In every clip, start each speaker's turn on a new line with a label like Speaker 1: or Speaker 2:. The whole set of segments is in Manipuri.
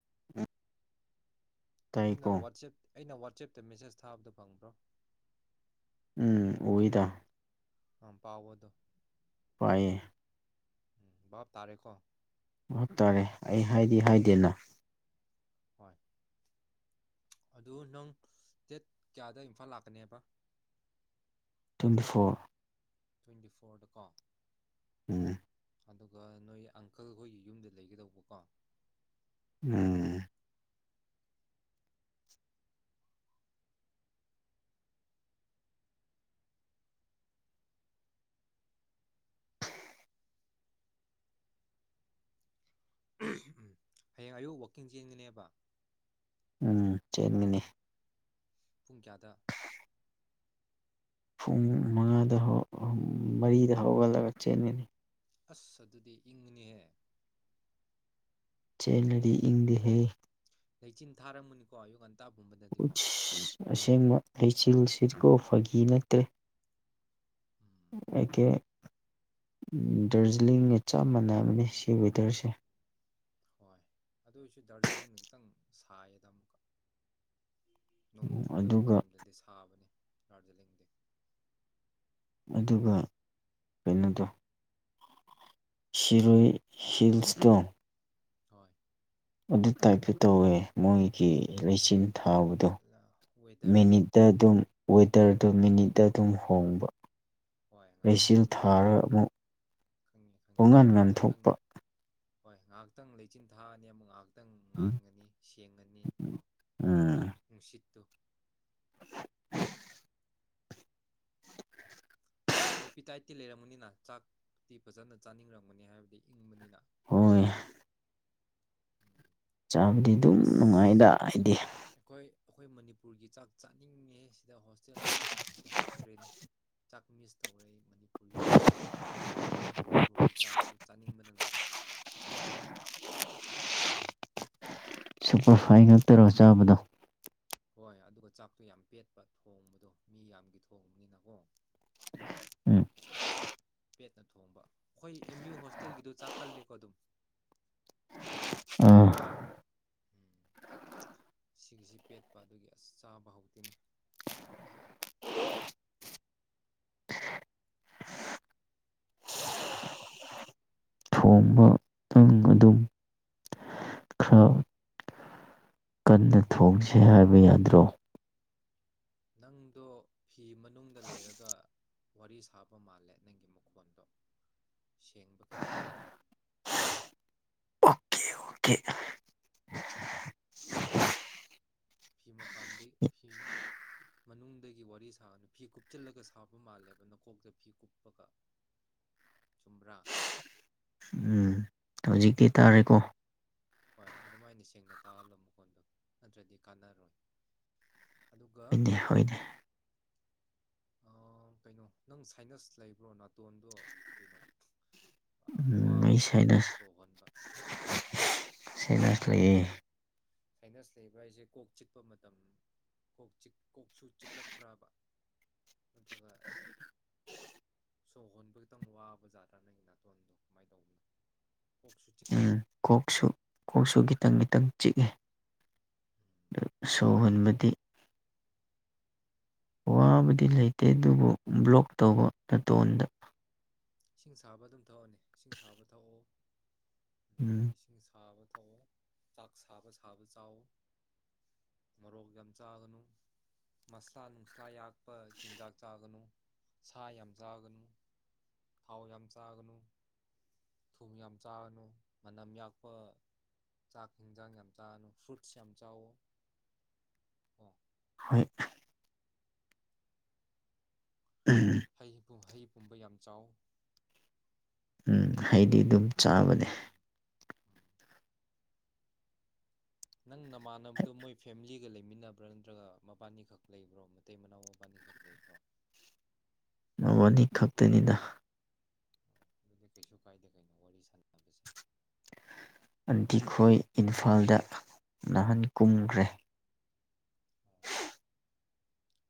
Speaker 1: [inaudible]
Speaker 2: ꯑꯩꯅ
Speaker 1: ꯇꯥꯏꯀꯣ
Speaker 2: ꯋꯥꯆꯦꯞ ꯑꯩꯅ ꯋꯥꯆꯦꯞꯇ ꯃꯦꯁꯦꯁ ꯊꯥꯕꯗ ꯐꯪꯕ꯭ꯔꯣ
Speaker 1: ꯎꯝ ꯎꯧꯏꯗꯥ
Speaker 2: ꯑꯝ ꯄꯥꯎꯋꯥꯗꯣ
Speaker 1: ꯄꯌꯦ
Speaker 2: ꯕꯥꯞ ꯇꯥꯔꯦꯀꯣ
Speaker 1: ꯚꯥꯠ ꯇꯥꯔꯦ ꯑꯩ ꯍꯥꯏꯗꯤ
Speaker 2: ꯎꯝ
Speaker 1: ꯍꯥꯏꯗꯦꯅ
Speaker 2: ꯍꯣꯏ ꯑꯗꯨ ꯅꯪ ꯗꯦꯠ ꯀꯌꯥꯗ ꯏꯝꯐꯥꯜ ꯂꯥꯛꯀꯅꯦꯕ
Speaker 1: ꯇ꯭ꯋꯦꯟꯇꯤ ꯐꯣꯔ
Speaker 2: ꯇ꯭ꯋꯦꯟꯇꯤ ꯐꯣꯔꯗ ꯀꯣ
Speaker 1: ꯎꯝ
Speaker 2: ꯑꯗꯨꯒ ꯅꯣꯏꯒꯤ ꯑꯪꯀꯜ ꯍꯣꯏꯒꯤ ꯌꯨꯝꯗ ꯂꯩꯒꯗꯧꯕꯀꯣ
Speaker 1: ꯎꯝ
Speaker 2: ꯎꯍꯝ ꯍꯌꯦꯡ ꯑꯌꯨꯛ ꯋꯥꯛꯀꯤꯡ ꯆꯦꯟꯒꯅꯦꯕ
Speaker 1: ꯎꯝ ꯆꯦꯟꯒꯤꯅꯤ
Speaker 2: ꯄꯨꯡ ꯀꯌꯥꯗ
Speaker 1: ꯄꯨꯡ ꯃꯉꯥꯗ ꯍꯧ ꯑꯝ ꯃꯔꯤꯗ ꯍꯧꯒꯠꯂꯒ ꯆꯦꯟꯜꯒꯅꯤ
Speaker 2: ꯑꯁ ꯑꯗꯨꯗꯤ ꯏꯪꯒꯅꯤꯍꯦ
Speaker 1: ꯆꯦꯟꯅꯔꯤ ꯏꯪ ꯗꯦ ꯍꯦ
Speaker 2: ꯂꯩꯆꯤꯟ ꯊꯥꯔꯝꯃꯅꯤꯀꯣ ꯌꯨ ꯉꯟ
Speaker 1: ꯀꯁ ꯑꯁꯦꯡꯕ ꯂꯩꯆꯤꯜꯁꯤ ꯔꯤꯠꯁꯀꯣ ꯐꯥꯒꯤ ꯅꯠꯇꯦ
Speaker 2: ꯎꯝ
Speaker 1: ꯑꯦꯀꯦ ꯗꯥꯔꯖꯤꯂꯤꯡꯒ ꯆꯞ ꯃꯥꯟꯅꯕꯅꯦ ꯁꯤ ꯋꯦꯗꯔꯁꯦ
Speaker 2: ꯍꯣꯏ ꯑꯗꯨ ꯑꯣꯏꯁꯨ ꯗꯥꯔꯖꯤꯂꯤꯡꯅ ꯈꯤꯇꯪ ꯁꯥꯏꯌꯦꯗ ꯑꯃꯨꯛꯀꯥ ꯅꯣꯡ ꯆꯨꯗꯕ
Speaker 1: ꯑꯗꯨꯒ
Speaker 2: ꯃꯇꯝꯗꯗꯤ ꯁꯥꯕꯅꯦ ꯗꯔꯖꯂꯤꯡꯗꯤ
Speaker 1: ꯑꯗꯨꯒ ꯀꯩꯅꯣꯗꯣ ꯁꯤꯔꯣꯏ ꯍꯤꯜꯏꯁ ꯇꯣ
Speaker 2: ꯍꯣꯏ
Speaker 1: ꯑꯗꯨ ꯇꯥꯏꯞꯇ ꯇꯧꯋꯦ ꯃꯣꯏꯒꯤ ꯂꯩꯆꯤꯟ ꯊꯥꯕꯗꯣ
Speaker 2: ꯋꯦꯗꯔꯗꯣ
Speaker 1: ꯃꯤꯅꯤꯠꯇ ꯑꯗꯨꯝ ꯋꯦꯗꯔꯗꯣ ꯃꯤꯅꯤꯠ ꯗ ꯗꯨꯝ
Speaker 2: ꯍꯣꯏ
Speaker 1: ꯍꯣꯡꯕ
Speaker 2: ꯍꯣꯏ
Speaker 1: ꯂꯩꯆꯤꯜ
Speaker 2: ꯉꯥꯏꯍꯥꯛꯇꯪ
Speaker 1: ꯊꯥꯔ
Speaker 2: ꯂꯩꯔꯒ
Speaker 1: ꯑꯃꯨꯛ
Speaker 2: ꯈꯪꯉꯤ ꯈꯪꯉꯤ
Speaker 1: ꯄꯪꯉꯥꯟ
Speaker 2: ꯈꯪꯉꯦ
Speaker 1: ꯉꯥꯟꯊꯣꯛꯄ
Speaker 2: ꯈꯪꯉꯤ ꯍꯣꯏ ꯉꯍꯥꯛꯇꯪ ꯂꯩꯆꯤꯟ ꯊꯥꯅꯤ ꯑꯃꯨ ꯉꯍꯥꯛ ꯈꯤꯇꯪ ꯉꯥꯟꯒꯅꯤ ꯁꯦꯡꯒꯅꯤ ꯀꯣ
Speaker 1: ꯎꯝ
Speaker 2: ꯅꯨꯡꯁꯤꯠꯇꯨ ꯑꯦ ꯑꯦꯄꯤꯇꯥꯏꯠꯇꯤ ꯂꯩꯔꯝꯒꯅꯤꯅ ꯆꯥꯛꯇꯤ ꯐꯖꯅ ꯆꯥꯅꯤꯡꯔꯝꯒꯅꯤ ꯍꯥꯏꯕꯗꯤ ꯏꯪꯕꯅꯤꯅ
Speaker 1: ꯍꯣꯏ
Speaker 2: ꯃꯐꯝꯗꯣ
Speaker 1: ꯆꯥꯕꯗꯤ ꯑꯗꯨꯝ ꯅꯨꯡꯉꯥꯏꯗ ꯑꯩꯗꯤ
Speaker 2: ꯑꯈꯣꯏ ꯃꯅꯤꯄꯨꯔꯒꯤ ꯆꯥꯛ ꯆꯥꯅꯤꯡꯉꯦ ꯁꯤꯗ ꯍꯣꯁꯇꯦꯜꯗ ꯆꯥꯛꯁꯤ ꯍꯥꯎꯗ꯭ꯔꯦꯅꯦ ꯆꯥꯛ ꯃꯤꯁ ꯇꯧꯔꯦ ꯃꯅꯤꯞ ꯌꯨꯝꯒꯤ ꯈꯣꯏ ꯃꯅꯤꯄꯨꯔꯒꯤ ꯆꯥꯛꯇꯨ ꯆꯥꯅꯤꯡꯕꯅ ꯂꯣꯏꯔꯦ
Speaker 1: ꯁꯨꯄꯔꯐꯥꯏꯟ ꯉꯛꯇꯔꯣ ꯆꯥꯕꯗꯣ?
Speaker 2: ꯍꯣꯏ ꯑꯗꯨꯒ ꯆꯥꯛꯇꯣ ꯌꯥꯝ ꯄꯦꯠꯄ ꯊꯣꯡꯕꯗꯣ ꯃꯤ ꯌꯥꯝꯒꯤ ꯊꯣꯡꯕꯅꯤꯅꯀꯣ
Speaker 1: ꯎꯝ
Speaker 2: ꯄꯦꯠꯅ ꯊꯣꯡꯕ ꯑꯩꯈꯣꯏ ꯑꯦꯝ ꯌꯨ ꯍꯣꯁꯇꯦꯜꯒꯤꯗꯣ ꯆꯥꯛ ꯀꯜꯂꯦꯀꯣ ꯑꯗꯨꯝ?
Speaker 1: ꯑꯥ
Speaker 2: ꯎꯝ ꯁꯤꯒꯤꯁꯤ ꯄꯦꯠꯄ ꯑꯗꯨꯒꯤ ꯑꯁ ꯆꯥꯕ ꯍꯧꯇꯦꯅꯦ
Speaker 1: ꯊꯣꯡꯕ ꯅꯪ ꯑꯗꯨꯝ ꯈꯔ ꯍꯣꯡꯁꯦ ꯍꯥꯏꯕ ꯌꯥꯗ꯭ꯔꯣ?
Speaker 2: ꯅꯪꯗꯣ ꯐꯤ ꯃꯅꯨꯡꯗ ꯂꯩꯔꯒ ꯋꯥꯔꯤ ꯁꯥꯕ ꯃꯥꯜꯂꯦ ꯅꯪꯒꯤ ꯃꯈꯣꯟꯗꯣ ꯁꯦꯡꯕ ꯈꯤꯇꯪ ꯋꯠꯂꯦ
Speaker 1: ꯑꯣꯀꯦ ꯑꯣꯀꯦ
Speaker 2: ꯐꯤ ꯃꯄꯥꯟꯗꯒꯤꯩ ꯐꯤ ꯃꯅꯨꯡꯗꯒꯤ ꯋꯥꯔꯤ ꯁꯥꯅ ꯐꯤ ꯀꯨꯞꯁꯤꯜꯂꯒ ꯁꯥꯕ ꯃꯥꯜꯂꯦꯕ ꯅꯀꯣꯛꯇ ꯐꯤ ꯀꯨꯞꯄꯒ ꯆꯨꯝꯕ꯭ꯔ?
Speaker 1: ꯎꯝ ꯍꯧꯖꯤꯛꯇꯤ ꯇꯥꯔꯦꯀꯣ?
Speaker 2: ꯍꯣꯏ ꯑꯗꯨꯃꯥꯏꯅ ꯁꯦꯡꯅ ꯇꯥꯍꯜꯂꯣ ꯃꯈꯣꯟꯗꯣ ꯅꯠꯇ꯭ꯔꯗꯤ ꯀꯥꯟꯅꯔꯣꯏ ꯑꯗꯨꯒ
Speaker 1: ꯅꯦ ꯍꯣꯏꯅꯦ
Speaker 2: ꯑꯥ ꯀꯩꯅꯣ ꯅꯪ ꯁꯥꯏꯅꯁ ꯂꯩꯕ꯭ꯔꯣ ꯅꯥꯇꯣꯟꯗꯣ ꯀꯩꯅꯣ ꯑꯥ
Speaker 1: ꯎꯝ
Speaker 2: ꯋꯥꯕ
Speaker 1: ꯑꯩ
Speaker 2: ꯃꯥꯜꯂꯦ ꯅꯪ
Speaker 1: ꯁꯥꯏꯅꯁ
Speaker 2: ꯁꯣꯍꯣꯟꯕ
Speaker 1: ꯁꯥꯏꯅꯁ ꯂꯩꯌꯦ
Speaker 2: ꯁꯥꯏꯅꯁ ꯂꯩꯕ ꯍꯥꯏꯁꯦ ꯀꯣꯛ ꯆꯤꯛꯄ ꯃꯇꯝ, ꯀꯣꯛ ꯆꯤꯛ ꯀꯣꯛꯁꯨ ꯆꯤꯛꯂꯛꯄ꯭ꯔꯥꯕ? ꯅꯠꯇ꯭ꯔꯒ ꯁꯣ ꯍꯣꯟꯕ ꯈꯤꯇꯪ ꯋꯥꯕꯖꯠꯔꯥ ꯅꯪꯒꯤ ꯅꯥꯇꯣꯟꯗꯣ ꯀꯃꯥꯏꯅ ꯇꯧꯕꯅꯣ ꯀꯣꯛꯁꯨ ꯆꯤꯛꯄ꯭ꯔꯥ?
Speaker 1: ꯎꯝ ꯀꯣꯛꯁꯨ ꯀꯣꯛꯁꯨ ꯈꯤꯇꯪ ꯈꯤꯇꯪ ꯆꯤꯛꯑꯦ
Speaker 2: ꯎꯝ,
Speaker 1: ꯗꯨ ꯁꯣ ꯍꯣꯟꯕꯗꯤ ꯋꯥꯕꯗꯤ ꯂꯩꯇꯦ ꯑꯗꯨꯕꯨ ꯕ꯭ꯂꯣꯛ ꯇꯧꯕ ꯅꯇꯣꯟꯗ
Speaker 2: ꯏꯁꯤꯡ ꯁꯥꯕ ꯑꯗꯨꯝ ꯊꯛꯑꯣꯅꯦ ꯏꯁꯤꯡ ꯁꯥꯕ ꯊꯛꯑꯣ꯫ ꯑꯗꯨꯒ
Speaker 1: ꯎꯝ
Speaker 2: ꯏꯁꯤꯡ ꯁꯥꯕ ꯊꯑꯣ ꯆꯥꯛ ꯁꯥꯕ ꯁꯥꯕ ꯆꯥꯎ, ꯃꯣꯔꯣꯛ ꯌꯥꯝ ꯆꯥꯒꯅꯨ, ꯃꯥꯁ꯭ꯂꯥ ꯅꯨꯡꯁ꯭ꯂꯥ ꯌꯥꯛ ꯄꯥ ꯆꯤꯟꯖꯛ ꯆꯥꯒꯅꯨ ꯁꯥ ꯌꯥꯝ ꯆꯥꯒꯅꯨ ꯊꯥꯎ ꯌꯥꯝ ꯆꯥꯒꯅꯨ, ꯊꯨꯝ ꯌꯥꯝ ꯆꯥꯒꯅꯨ, ꯃꯅꯝ ꯌꯥꯛꯄ ꯆꯥꯛ ꯍꯦꯟꯖꯥꯡ ꯌꯥꯝ ꯆꯥꯒꯅꯨ, ꯐ꯭ꯔꯨꯠꯁ ꯌꯥꯝ ꯆꯥꯋꯣ ꯀꯣ꯫
Speaker 1: ꯍꯣꯏ
Speaker 2: ꯍꯩ ꯀꯨꯝꯍꯩ ꯄꯨꯝꯕ ꯌꯥꯝ ꯆꯥꯎ
Speaker 1: ꯎꯝ ꯑꯩꯩꯗꯤ ꯑꯗꯨꯝ ꯆꯥꯕꯅꯦ
Speaker 2: ꯅꯪ ꯅꯃꯥꯟꯅꯕꯗꯣ ꯃꯣꯏ ꯐꯦꯃꯤꯂꯤꯒ ꯂꯩꯃꯤꯟꯅꯕ꯭ꯔꯥ ꯅꯠꯇ꯭ꯔꯒ ꯃꯄꯥꯅꯤꯈꯛ ꯂꯩꯕ꯭ꯔꯣ ꯃꯇꯩ ꯃꯅꯥꯎ ꯃꯄꯥꯅꯤꯈꯛ ꯂꯩꯕ꯭ꯔꯣ
Speaker 1: ꯃꯕꯥꯅꯤ ꯈꯛꯇꯅꯤꯅ
Speaker 2: ꯑꯗꯨꯗꯤ ꯀꯩꯁꯨ ꯀꯥꯏꯗꯦ ꯀꯩꯅꯣ ꯋꯥꯔꯤ ꯁꯥꯟꯅꯕꯁꯦ
Speaker 1: ꯑꯟꯇꯤꯈꯣꯏ ꯏꯝꯐꯥꯜꯗ ꯅꯍꯥꯟ ꯀꯨꯝꯈ꯭ꯔꯦ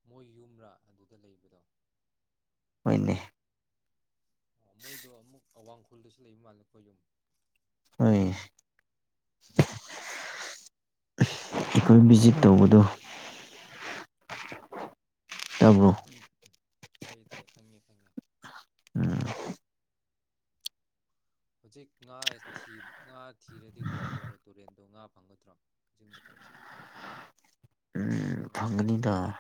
Speaker 2: ꯃꯣꯏ ꯌꯨꯝ꯭ꯔꯥ ꯑꯗꯨꯗ ꯂꯩꯕꯗꯣ
Speaker 1: ꯑꯣꯏꯅꯤ
Speaker 2: ꯃꯣꯏꯗꯣ ꯑꯃꯨꯛ ꯑꯋꯥꯡꯈꯨꯜꯗꯁꯨ ꯂꯩꯕ ꯃꯥꯜꯂꯦꯀꯣ ꯌꯨꯝ
Speaker 1: ꯍꯣꯏ ꯑꯩꯈꯣꯏ ꯚꯤꯖꯤꯠ ꯇꯧꯕꯗꯣ
Speaker 2: ꯍꯣꯏ
Speaker 1: ꯇꯥꯕ꯭ꯔꯣ
Speaker 2: ꯎꯝ ꯎꯝ ꯇꯥꯏꯌꯦ ꯇꯥꯏꯌꯦ ꯈꯪꯉꯦ ꯈꯪꯉꯦ
Speaker 1: ꯎꯝ
Speaker 2: ꯍꯧꯖꯤꯛ ꯉꯥ ꯉꯥ ꯊꯤꯔꯗꯤ ꯀꯃꯥꯏꯅ ꯇꯧꯕ ꯇꯨꯔꯦꯟꯗꯣ ꯉꯥ ꯐꯪꯒꯗ꯭ꯔꯣ ꯍꯧꯖꯤꯛ ꯃꯇꯝꯁꯦ ꯇꯨꯔꯦꯟꯗ
Speaker 1: ꯎꯝ
Speaker 2: ꯉꯥ ꯊꯤꯕ
Speaker 1: ꯐꯪꯒꯅꯤꯗ
Speaker 2: ꯆꯠꯂꯗꯦ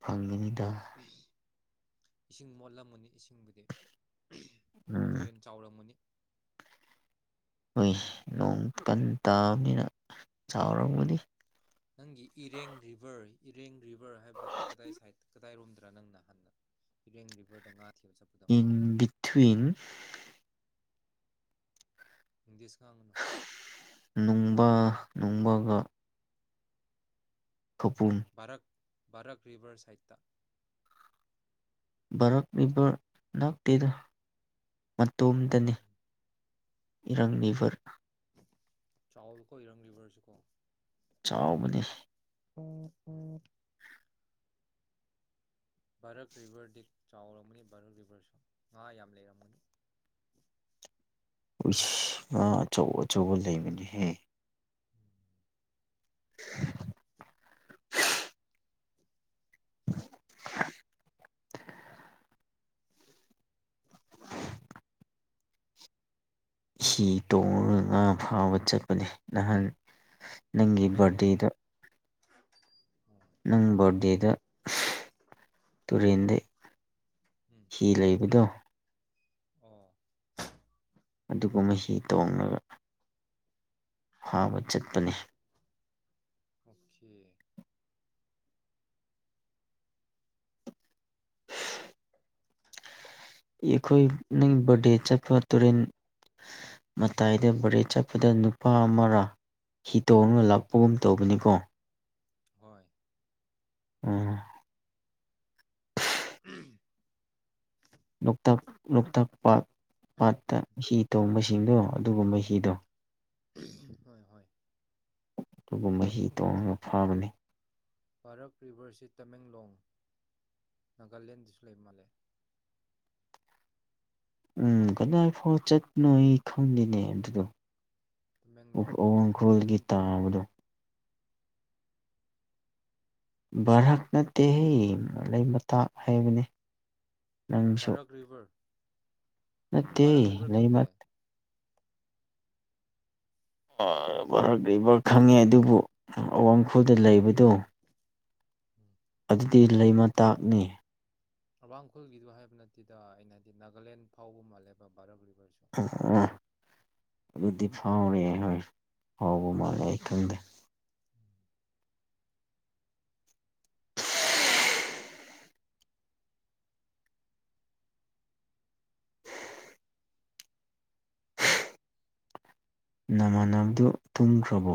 Speaker 1: ꯐꯪ ꯃꯤ
Speaker 2: ꯏꯁꯤꯡ ꯃꯣꯠꯂꯝꯃꯅꯤ ꯏꯁꯤꯡꯕꯨꯗꯤ
Speaker 1: ꯎꯝ
Speaker 2: ꯇꯨꯔꯦꯟ ꯆꯥꯎꯔꯝꯃꯅꯤ
Speaker 1: ꯍꯣꯏ ꯅꯣꯡ ꯀꯟ ꯇꯥꯕꯃꯤꯅ
Speaker 2: ꯎꯝ
Speaker 1: ꯆꯥꯎꯔꯝꯕꯨꯗꯤ
Speaker 2: ꯅꯪꯒꯤ ꯏꯔꯦꯡ ꯔꯤꯚꯔ ꯏꯔꯦꯡ ꯔꯤꯕꯔ ꯍꯥꯏꯕꯗꯨ ꯀꯗꯥꯏ ꯁꯥꯏꯗ ꯀꯗꯥꯏꯔꯣꯝꯗ꯭ꯔꯥ ꯅꯪ ꯅ ꯍꯥꯟꯅ ꯏꯔꯦꯡ ꯔꯤꯕꯔꯗ ꯉꯥꯈꯤꯕꯁ
Speaker 1: ꯏꯟ ꯕꯤꯊꯋꯤꯟ
Speaker 2: ꯏꯪꯂꯤꯁ ꯉꯥꯡꯒꯅꯨ
Speaker 1: ꯅꯨꯡꯕ ꯅꯣꯡꯃꯒ ꯊꯄꯨꯝ
Speaker 2: ꯚꯔꯛ ꯔꯤꯚꯔ ꯁꯥꯏꯠꯇ
Speaker 1: ꯕꯥꯔꯛ ꯚꯔ ꯅꯛꯇꯦꯗ ꯃꯇꯣꯝꯇꯅꯤ
Speaker 2: ꯎꯝ
Speaker 1: ꯏꯔꯪꯂꯤꯚꯔ
Speaker 2: ꯆꯥꯎ ꯀꯣ ꯏꯔꯝꯂꯤꯕꯔꯁꯤꯀꯣ
Speaker 1: ꯆꯥꯎꯕꯅꯤ
Speaker 2: ꯎꯝ ꯎꯝ ꯚꯥꯔꯠ ꯚꯔꯗꯤ ꯆꯥꯎꯔꯝꯃꯅꯤ ꯚꯥꯔꯠ ꯚꯔꯁꯨ ꯉꯥ ꯌꯥꯝ ꯂꯩꯔꯝꯃꯅꯤ
Speaker 1: ꯎꯃ ꯑꯆꯧ ꯑꯆꯧꯕ ꯂꯩꯕꯅꯤꯍꯦ [inaudible] ꯍꯤ ꯇꯣꯡꯉꯒ ꯉꯥ ꯐꯥꯕ ꯆꯠꯄꯅꯦ ꯅꯍꯥꯟ ꯅꯪꯒꯤ
Speaker 2: ꯇꯃꯦꯡꯂꯣꯡ
Speaker 1: ꯕꯥꯔꯗꯦꯗ
Speaker 2: [inaudible]
Speaker 1: ꯅꯪ ꯕꯣꯔꯗꯦꯗ ꯇꯨꯔꯦꯟꯗ
Speaker 2: ꯎꯝ
Speaker 1: ꯍꯤ ꯂꯩꯕꯗꯣ
Speaker 2: ꯑꯣ
Speaker 1: ꯑꯗꯨꯒꯨꯝꯕ ꯍꯤ ꯇꯣꯡꯂꯒ ꯍꯥꯎꯕ ꯆꯠꯄꯅꯦ
Speaker 2: ꯑꯣꯦ
Speaker 1: ꯏꯈꯣꯏ ꯅ ꯦ ꯆ ꯏꯐ ꯇꯨꯔꯦꯟ ꯃꯇꯥꯏꯗ ꯕꯔꯦ ꯆꯠꯄꯗ ꯅꯨꯄꯥ ꯑꯃꯔ ꯍꯤꯇꯣꯡꯅ ꯂꯥꯛꯄꯒꯨꯝ ꯇꯧꯕꯅꯤꯀꯣ
Speaker 2: ꯍꯣꯏ
Speaker 1: ꯎꯝ ꯂꯣꯛꯇꯥꯛ ꯂꯣꯛꯇꯥꯛ ꯄꯥ ꯄꯥꯠꯇ ꯍꯤ ꯇꯣꯡꯕꯁꯤꯡꯗꯣ ꯑꯗꯨꯒꯨꯝꯕ ꯍꯤꯗꯣ
Speaker 2: ꯍꯣꯏ ꯍꯣꯏ
Speaker 1: ꯑꯗꯨꯒ ꯃꯍꯤ ꯇꯣꯡꯉꯒ ꯐꯥꯕꯅꯤ
Speaker 2: ꯚꯥꯔꯛ ꯚꯔꯁꯤ ꯇꯃꯦꯡꯂꯣꯡ ꯅꯥꯒꯥꯂꯦꯟꯗꯁꯨ ꯂꯩ ꯃꯥꯜꯂꯦ
Speaker 1: ꯎꯝ ꯀꯗꯥꯏ ꯐꯥꯎ ꯆꯠꯄꯅꯣ ꯑꯩ ꯈꯪꯗꯦꯅꯦ ꯑꯗꯨꯗꯣ
Speaker 2: ꯇꯃꯦꯡꯂꯣꯡ
Speaker 1: ꯑꯣꯪꯈꯣꯜꯒꯤ ꯇꯥꯡꯕꯗꯣ ꯚꯥꯔꯥꯛ ꯅꯠꯇꯦꯍ ꯃꯔꯩ ꯃꯇꯥꯛ ꯍꯥꯏꯕꯅꯤ ꯅꯪꯁꯨ
Speaker 2: ꯚꯥꯔꯛ ꯔꯤꯚꯔ ꯅꯪ
Speaker 1: ꯅꯠꯇꯦ
Speaker 2: ꯚꯥꯔꯛ ꯔꯤꯚꯔ ꯈꯪꯗꯦ
Speaker 1: ꯂꯩꯃꯠ ꯐꯔꯛꯂꯤꯕ ꯈꯪꯉꯦ ꯑꯗꯨꯕꯨ ꯑꯋꯥꯡꯈꯨꯗ ꯂꯩꯕꯗꯨ ꯑꯗꯨꯗꯤ ꯂꯩꯃ ꯇꯥꯛꯅꯤ
Speaker 2: ꯑꯋꯥꯡꯈꯨꯜꯒꯤꯗꯨꯣ ꯍꯥꯏꯕ ꯅꯠꯇꯦꯗ ꯑꯩꯅ ꯍꯥꯏꯗꯤ ꯅꯥꯒꯥꯂꯦꯟ ꯐꯥꯎꯕ ꯃꯥꯜꯂꯦꯕ ꯚꯔ
Speaker 1: ꯑꯣ ꯑꯗꯨꯗꯤ ꯐꯥꯎꯔꯤꯌꯦ ꯍꯣꯏ ꯍꯥꯎꯕ ꯃꯥꯂꯦ ꯑꯩ ꯈꯪꯗꯦ꯫ ꯅꯃꯅꯕꯗꯨ ꯇꯨꯝꯈ꯭ꯔꯕꯣ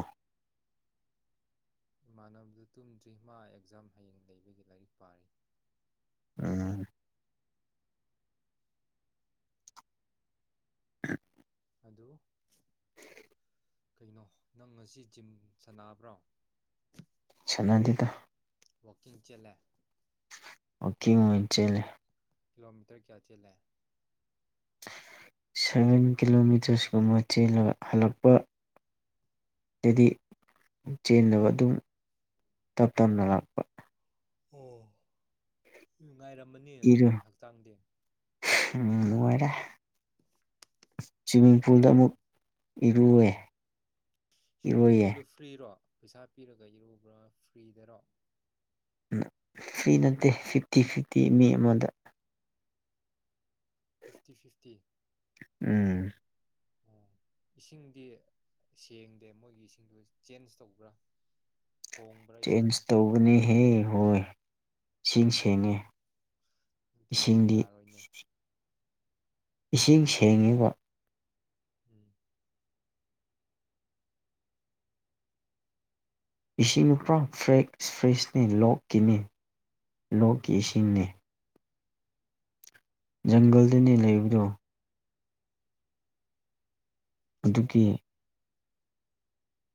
Speaker 2: ꯏꯃꯥꯟꯅꯕꯗꯨ ꯇꯨꯝ ꯗ꯭ꯔꯤꯃꯥ ꯑꯦꯛꯖꯥꯝ ꯍꯌꯦꯡ ꯂꯩꯕꯒꯤ ꯂꯥꯏꯔꯤꯛ ꯄꯥꯔꯤ
Speaker 1: ꯎꯝ
Speaker 2: ꯑꯗꯨ ꯀꯩꯅꯣ ꯅꯪ ꯉꯁꯤ ꯖꯤꯝ ꯁꯥꯟꯅꯕ꯭ꯔꯣ
Speaker 1: ꯁꯅꯗꯦꯗ
Speaker 2: ꯋꯥꯀꯤꯡ ꯆꯦꯂꯦ
Speaker 1: ꯋꯥꯀꯤꯡ ꯑꯣꯏ ꯆꯦꯂꯦ
Speaker 2: ꯀꯤꯂꯣꯃꯤꯇꯔ ꯀꯌꯥ ꯆꯦꯜꯂꯦ
Speaker 1: ꯁꯚꯦꯟ ꯀꯤꯂꯣꯃꯤꯇꯔꯁꯀꯨꯝꯕ ꯍꯜꯂꯛꯄ ꯗꯤ ꯆꯦꯟꯗꯕ ꯑꯗꯨꯝ ꯇꯞ ꯇꯞꯅ ꯂꯥꯛꯄ
Speaker 2: ꯑꯣ ꯎꯝ
Speaker 1: ꯏꯔꯨ ꯎꯝ ꯅꯨꯡꯉꯥꯏꯔꯦ ꯁ꯭ꯋꯤꯃꯤꯡ ꯄꯨꯜꯗ ꯑꯃꯨꯛ ꯏꯔꯨꯋꯦ
Speaker 2: ꯁ꯭ꯋꯤꯃꯤꯡ
Speaker 1: ꯏꯔꯣꯏꯌꯦ
Speaker 2: ꯄꯨꯜꯗꯣ ꯐ꯭ꯔꯤꯔꯣ ꯄꯩꯁꯥ ꯄꯤꯔꯒ ꯏꯔꯨꯕ꯭ꯔꯥ ꯐ꯭ꯔꯤꯗꯔꯣ
Speaker 1: ꯐ꯭ꯔꯤ ꯅꯠꯇꯦ ꯐꯤꯐꯇꯤ ꯐꯤꯐꯇꯤ ꯃꯤ ꯑꯃꯗ
Speaker 2: ꯐꯤꯐꯇꯤ ꯐꯤꯐꯇꯤ
Speaker 1: ꯎꯝ
Speaker 2: ꯏꯁꯤꯡꯗꯤ ꯁꯦꯡꯗꯦ ꯃꯣꯏꯒꯤ ꯏꯁꯤꯡꯗꯣ ꯆꯦꯟꯖ ꯇꯧꯕ꯭ꯔꯥ ꯍꯣꯡꯕ꯭ꯔꯥ
Speaker 1: ꯆꯦꯟꯖ
Speaker 2: ꯏꯁꯤꯡꯗꯣ
Speaker 1: ꯇꯧꯕꯅꯤ ꯍꯦ ꯍꯣꯏ ꯏꯁꯤꯡ ꯁꯦꯡꯉꯦ
Speaker 2: ꯇꯔꯗꯤ
Speaker 1: ꯏꯁꯤꯡꯗꯤ
Speaker 2: ꯌꯥꯔꯣꯏꯅꯦ
Speaker 1: ꯏꯁꯤꯡ ꯁꯦꯡꯉꯤꯕ
Speaker 2: ꯎꯝ
Speaker 1: ꯏꯁꯤꯡꯗꯨ ꯄ꯭ꯔ ꯐ꯭ꯔꯦꯛ ꯐ꯭ꯔꯦꯁꯅꯤ ꯂꯣꯛꯀꯤꯅꯤ ꯂꯣꯛꯀꯤ ꯏꯁꯤꯡꯅꯤ ꯖꯪꯒꯜꯗꯨꯅꯤ ꯂꯩꯕꯗꯣ
Speaker 2: ꯑꯣ
Speaker 1: ꯑꯗꯨꯒꯤ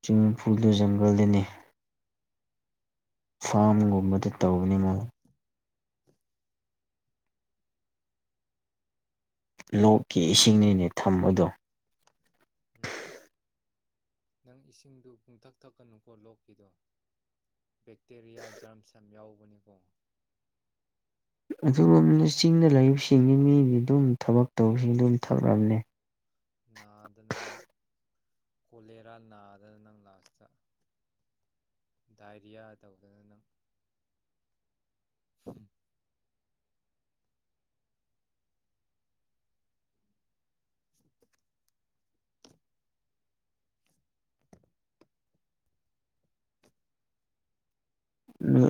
Speaker 1: ꯁ꯭ꯋꯤꯝꯃꯤꯡ ꯐꯨꯜꯗꯨ ꯖꯪꯒꯜꯗꯅꯤ ꯐꯥꯝꯒꯨꯝꯕꯗ ꯇꯧꯕꯅꯤ ꯃꯣꯏ ꯂꯣꯛꯀꯤ ꯏꯁꯤꯡꯅꯤꯅꯦ ꯊꯝꯕꯗꯣ
Speaker 2: ꯎꯝ ꯏꯁꯤꯡꯗꯨ ꯄꯨꯡꯊꯛ ꯊꯛꯀꯅꯨꯀꯣ ꯂꯣꯛꯀꯤꯗꯣ ꯕꯦꯛꯇꯦꯔꯤꯌꯥ ꯖꯔꯝꯁ ꯌꯥꯝ ꯌꯥꯎꯕꯅꯦꯀꯣ
Speaker 1: ꯑꯗꯨꯒꯨꯝꯕꯅ ꯆꯤꯡꯗ ꯂꯩꯕꯁꯤꯡꯒꯤ ꯃꯤꯗꯤ ꯑꯗꯨꯝ ꯊꯕꯛ ꯇꯧꯕꯁꯤꯡ ꯑꯗꯨꯝ ꯊꯛꯂꯝꯅꯦ
Speaker 2: ꯅꯥꯗꯅ ꯅꯪ ꯀꯣꯂꯦꯔꯥ ꯅꯥꯗꯅ ꯅꯪ ꯂꯥꯁꯇ ꯗꯥꯏꯔꯤꯌꯥ ꯇꯧꯗꯅ ꯅꯪ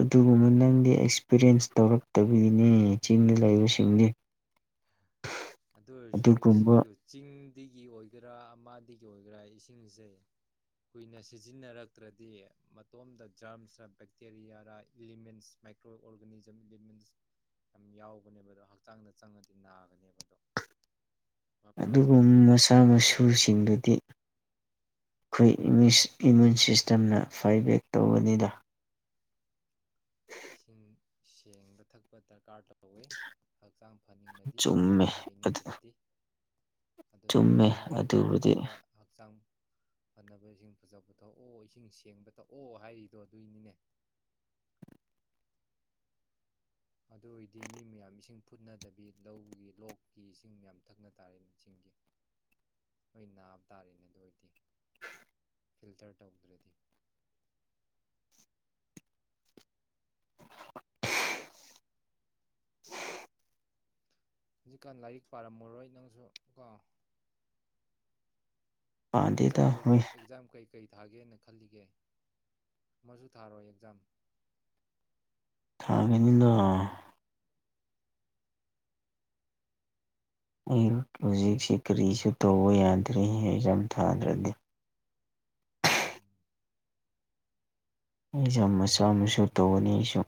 Speaker 1: ꯑꯗꯨꯒꯨꯝꯕ ꯅꯪꯗꯤ ꯑꯦꯛꯁꯄꯤꯔꯤꯌꯦꯟꯁ ꯇꯧꯔꯛꯇꯕꯒꯤꯅꯦ ꯆꯤꯡꯗ ꯂꯩꯕꯁꯤꯡꯗꯤ
Speaker 2: ꯑꯗꯨ ꯑꯣꯏꯔꯁꯨ
Speaker 1: ꯑꯗꯨꯒꯨꯝꯕ
Speaker 2: ꯏꯁꯤꯡꯗ ꯆꯤꯡꯗꯒꯤ ꯑꯣꯏꯒꯦꯔꯥ ꯑꯃꯗꯤ ꯒꯤ ꯑꯣꯏꯒꯦꯔꯥ ꯏꯁꯤꯡꯁꯦ ꯀꯨꯏꯅ ꯁꯤꯖꯤꯟꯅꯔꯛꯇ꯭ꯔꯗꯤ ꯃꯇꯣꯝꯗ ꯖꯔꯝꯁꯔ ꯕꯦꯛꯇꯦꯔꯤꯌꯥꯔ ꯏꯂꯤꯃꯦꯟꯁ ꯃꯥꯏꯀ꯭ꯔꯣ ꯑꯣꯔꯒꯥꯅꯤꯖꯝ ꯏꯂꯤꯃꯦꯟꯁ ꯌꯥꯝ ꯌꯥꯎꯕꯅꯦꯕ ꯑꯗꯣ ꯍꯛꯆꯥꯡꯗ ꯆꯪꯉꯗꯤ ꯅꯥꯒꯅꯦꯕ ꯑꯗꯣ ꯚꯥꯞ ꯇꯥꯔꯕꯣ
Speaker 1: ꯑꯗꯨꯒꯨꯝ ꯃꯁꯥ ꯃꯁꯨꯁꯤꯡꯗꯨꯗꯤ ꯑꯩꯈꯣꯏ ꯏꯃꯨꯁ ꯏꯃꯨꯟ ꯁꯤꯁꯇꯦꯝꯅ ꯐꯥꯏꯕꯦꯛ ꯇꯧꯒꯅꯤꯗ
Speaker 2: ꯏꯁꯤꯡ ꯁꯦꯡꯕ ꯊꯛꯄ ꯗꯔꯀꯥꯔ ꯇ ꯇꯧꯋꯦ ꯍꯛꯆꯥꯡ ꯐꯅꯤꯡꯂꯗꯤ ꯑꯅꯥ
Speaker 1: ꯆꯨꯝꯃꯦ
Speaker 2: ꯑꯌꯦꯛ ꯂꯩꯩꯅꯤꯡꯗ꯭ꯔꯗꯤ꯫ ꯑꯗꯨꯒꯤ
Speaker 1: ꯆꯨꯝꯃꯦ
Speaker 2: ꯑꯅꯥ ꯑꯌꯦꯛ
Speaker 1: ꯑꯗꯨꯕꯨꯗꯤ
Speaker 2: ꯂꯩꯇꯅꯕ ꯍꯛꯆꯥꯡ ꯐꯅꯕ ꯏꯁꯤꯡ ꯐꯖ ꯕꯊꯣꯛꯑꯣ ꯏꯁꯤꯡ ꯁꯦꯡꯕ ꯊꯛꯑꯣ ꯍꯥꯏꯔꯤꯗꯣ ꯑꯗꯨꯏꯅꯤꯅꯦ ꯑꯗꯨ ꯑꯣꯏꯗꯤ ꯃꯤ ꯃꯌꯥꯝ ꯏꯁꯤꯡ ꯐꯨꯠꯅꯗꯕꯤ ꯂꯧꯒꯤ ꯂꯣꯛꯀꯤ ꯏꯁꯤꯡ ꯃꯌꯥꯝ ꯊꯛꯅ ꯇꯥꯔꯦꯅꯦ ꯏꯁꯤꯡꯒꯤ ꯍꯣꯏ ꯅꯥꯕ ꯇꯥꯔꯦꯅꯦ ꯑꯗꯨ ꯑꯣꯏꯔꯗꯤ ꯐꯤꯜꯇꯔ ꯇꯧꯗ꯭ꯔꯗꯤ ꯍꯧꯖꯤꯛꯀꯥꯟ ꯂꯥꯏꯔꯤꯛ ꯄꯥꯔꯝꯃꯔꯣꯏ ꯅꯪꯁꯨ ꯀꯣ ꯑꯦꯛꯖꯥꯝ
Speaker 1: ꯄꯥꯟꯗꯦꯗ
Speaker 2: ꯀꯩ
Speaker 1: ꯍꯨꯣꯏ
Speaker 2: ꯑꯦꯛꯖꯥꯝ ꯀꯩ ꯀꯩ ꯊꯥꯒꯦꯅ ꯈꯜꯂꯤꯒꯦ ꯑꯃꯁꯨ ꯊꯥꯔꯣꯏ ꯑꯦꯛꯖꯥꯝ
Speaker 1: ꯑꯗꯨꯅ ꯑꯩ
Speaker 2: ꯑꯥ
Speaker 1: ꯍꯧꯖꯤꯛꯁꯤ ꯀꯔꯤꯁꯨ ꯇꯧꯕ ꯌꯥꯗ꯭ꯔꯦ ꯍꯖꯝ ꯊꯥꯗ꯭ꯔꯗꯤ
Speaker 2: ꯎꯝ
Speaker 1: ꯑꯩꯁꯦ ꯃꯆꯥ ꯃꯨꯁꯨ ꯇꯧꯅꯤ ꯑꯩꯁꯨ